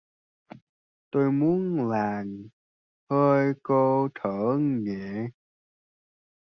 Tôi muốn làn hơi cô thở nhẹ.